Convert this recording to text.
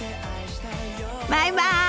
バイバイ！